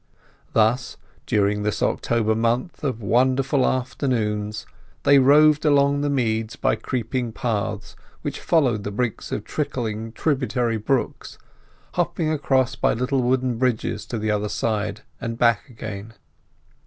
Thus, during this October month of wonderful afternoons they roved along the meads by creeping paths which followed the brinks of trickling tributary brooks, hopping across by little wooden bridges to the other side, and back again.